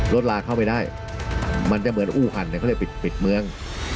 ลาเข้าไปได้มันจะเหมือนอู้หันเขาเรียกปิดเมือง